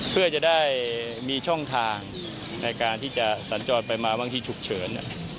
เพื่อจะได้มีช่องทางในการที่จะสัญจรไปมาบางทีฉุกเฉิน